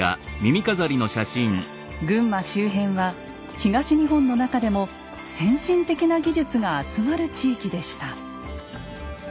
群馬周辺は東日本の中でも先進的な技術が集まる地域でした。